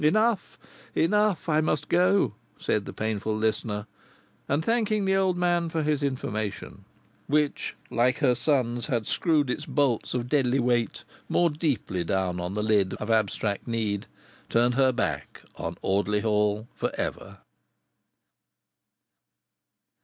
"Enough enough, I must go," said the painful listener, and thanking the old man for his information, which, like her son's, had screwed its bolts of deadly weight more deeply down on the lid of abstract need, turned her back on Audley Hall for ever.